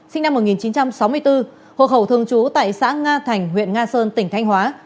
sinh năm một nghìn chín trăm sáu mươi bốn hộ khẩu thường trú tại xã nga thành huyện nga sơn tỉnh thanh hóa